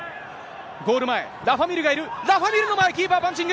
ゴール前、ラファ・ミールがいる、ラファ・ミールの前、キーパー、パンチング。